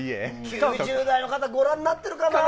９０代の方ご覧になっているかな。